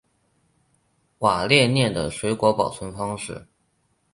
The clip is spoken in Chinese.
瓦列涅的水果保存方式。